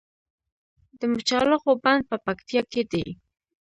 د مچالغو بند په پکتیا کې دی